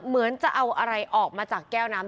เหมือนจะเอาอะไรออกมาจากแก้วน้ำ